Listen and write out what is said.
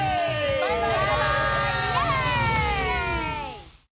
バイバーイ！